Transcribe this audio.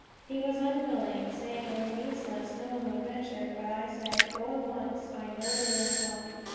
He was unwilling, saying it was useless, no one would venture; but I said: "Go at once, I know they will come."